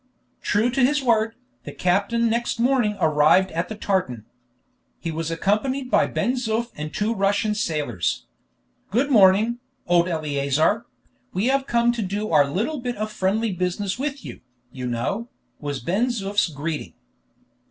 True to his word, the captain next morning arrived at the tartan. He was accompanied by Ben Zoof and two Russian sailors. "Good morning, old Eleazar; we have come to do our little bit of friendly business with you, you know," was Ben Zoof's greeting.